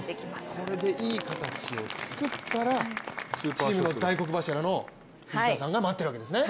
これでいい形を作ったらチームの大黒柱の藤澤さんが待ってるわけですね。